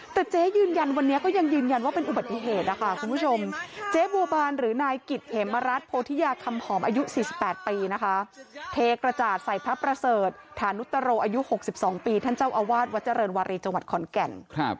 แต่เจ๊ยืนยันวันนี้ก็ยังยืนยันว่าเป็นอุบัติเหตุนะคะคุณผู้ชมเจ๊บัวบานหรือนายกิจเหมรัฐโพธิยาคำหอมอายุ๔๘ปีนะคะเทกระจาดใส่พระประเสริฐฐานุตโรอายุ๖๒ปีท่านเจ้าอาวาสวัดเจริญวารีจังหวัดขอนแก่น